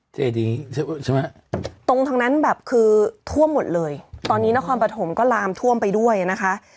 เจดีใช่ไหมตรงทางนั้นแบบคือท่วมหมดเลยตอนนี้นครปฐมก็ลามท่วมไปด้วยนะคะ